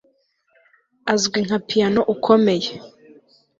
Azwi nka piyano ukomeye